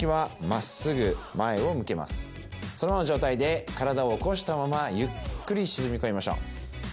そのままの状態で体を起こしたままゆっくり沈み込みましょう。